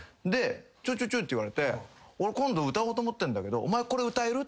ちょいちょいちょいって言われて俺今度歌おうと思ってんだけど。